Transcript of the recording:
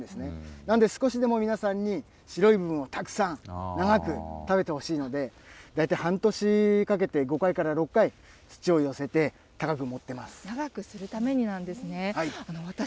なんで、少しでも皆さんに白い部分をたくさん、長く食べてほしいので、大体、半年かけて５回から６回、土を寄せて、長くするためになんですね。